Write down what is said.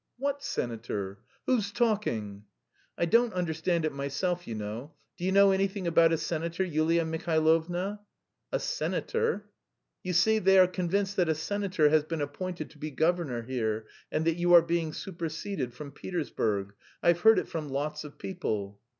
"What senator? Who's talking?" "I don't understand it myself, you know. Do you know anything about a senator, Yulia Mihailovna?" "A senator?" "You see, they are convinced that a senator has been appointed to be governor here, and that you are being superseded from Petersburg. I've heard it from lots of people."